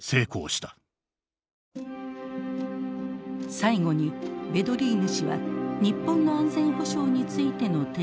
最後にヴェドリーヌ氏は日本の安全保障についての提言を行いました。